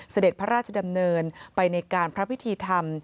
เสด็จพระราชดำเนินไปในการพระพิธีธรรม